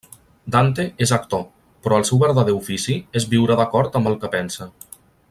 Dante és actor, però el seu verdader ofici és viure d'acord amb el que pensa.